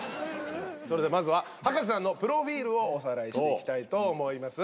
それではまずは葉加瀬さんのプロフィールをおさらいしていきたいと思います。